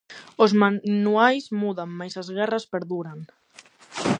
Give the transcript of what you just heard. Os manuais mudan, mais as guerras perduran.